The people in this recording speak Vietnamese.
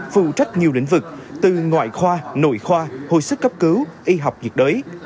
phụ trách nhiều lĩnh vực từ ngoại khoa nội khoa hồi sức cấp cứu y học nhiệt đới